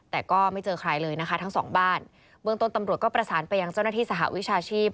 แต่ก็ไม่เจอใครเลยนะคะทั้งสองบ้านเมืองต้นตำรวจก็ประสานไปยังเจ้าหน้าที่สหวิชาชีพ